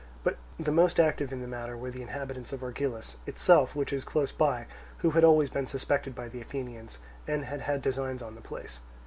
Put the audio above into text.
But the most active in the matter were the inhabitants of Argilus itself, which is close by, who had always been suspected by the Athenians, and had had designs on the place.